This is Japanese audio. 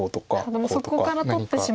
もうそこから取ってしまえば。